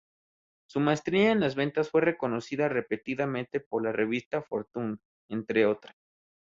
Su maestría en las ventas fue reconocida repetidamente por la revista Fortune entre otras.